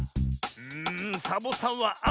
んサボさんはあお！